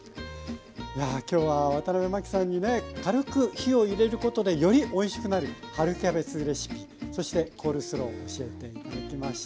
今日はワタナベマキさんにね軽く火を入れることでよりおいしくなる春キャベツレシピそしてコールスロー教えて頂きました。